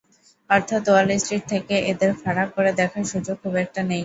অর্থাৎ Wall Street থেকে এদের ফারাক করে দেখার সুযোগ খুব একটা নেই।